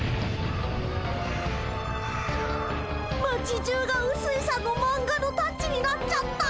町じゅうがうすいさんのマンガのタッチになっちゃった。